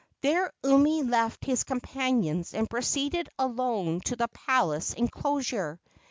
There Umi left his companions and proceeded alone to the palace enclosure.